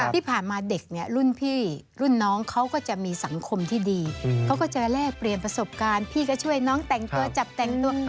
ที่ผ่านมาเด็กเนี่ยรุ่นพี่รุ่นน้องเขาก็จะมีสังคมที่ดีเขาก็จะแลกเปลี่ยนประสบการณ์พี่ก็ช่วยน้องแต่งตัวจับแต่งตัว